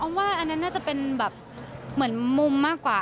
อ๋ออ๋อมว่านั่นน่าจะเป็นเหมือนมุมมากกว่า